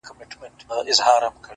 مــروره در څه نـه يمـه ه!